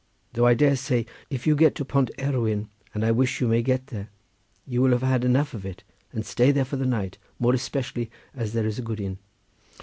Though I dare say if you get to Pont Erwyd—and I wish you may get there—you will have had enough of it, and will stay there for the night, more especially as there is a good inn."